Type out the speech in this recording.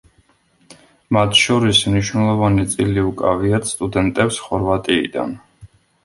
მათ შორის მნიშვნელოვანი წილი უკავიათ სტუდენტებს ხორვატიიდან.